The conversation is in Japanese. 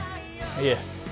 いえ